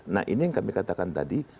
nah ini yang kami katakan tadi